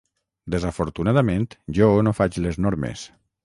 Desafortunadament jo no faig les normes.